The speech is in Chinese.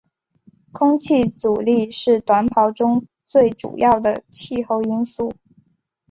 空气阻力是短跑中最主要的气候因素。